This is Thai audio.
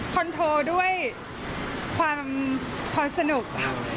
คอนโทรด้วยความสนุกค่ะ